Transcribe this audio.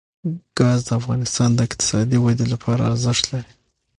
ګاز د افغانستان د اقتصادي ودې لپاره ارزښت لري.